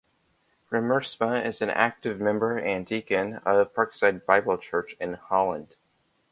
Riemersma is an active member and deacon of Parkside Bible Church in Holland.